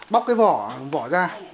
bóc cái vỏ ra